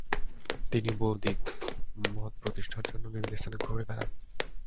তিনি বৈদিক মত প্রতিষ্ঠার জন্য বিভিন্ন স্থানে ঘুরে বেড়ান।